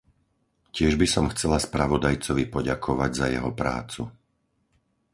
Tiež by som chcela spravodajcovi poďakovať za jeho prácu.